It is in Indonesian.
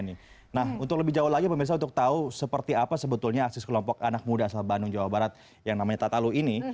nah untuk lebih jauh lagi pemirsa untuk tahu seperti apa sebetulnya akses kelompok anak muda asal bandung jawa barat yang namanya tatalu ini